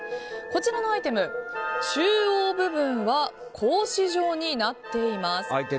こちらのアイテム、中央部分は格子状になっています。